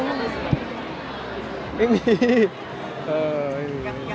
ไม่มี